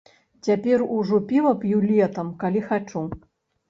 Цяпер ужо піва п'ю летам, калі хачу.